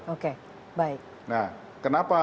oke baik nah kenapa